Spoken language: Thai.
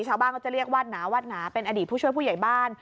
ชาวบ้านเขาจะเรียกวาดหนาวาดหนาเป็นอดีตผู้ช่วยผู้ใหญ่บ้าน